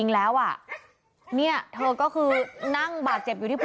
ระวังครับเราจะอยู่ฉัน